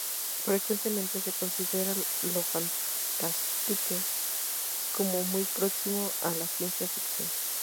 Frecuentemente se considera lo "fantastique" como muy próximo a la ciencia ficción.